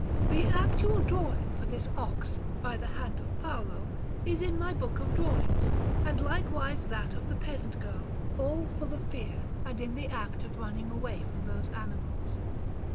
The actual drawing for this ox, by the hand of Paolo, is in my book of drawings, and likewise that of the peasant girl, all full of fear, and in the act of running away from those animals.